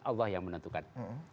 allah yang menentukan